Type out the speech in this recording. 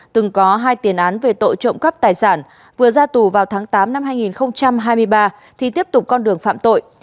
từng có hai tiền án về tội trộm cắp tài sản vừa ra tù vào tháng tám năm hai nghìn hai mươi ba thì tiếp tục con đường phạm tội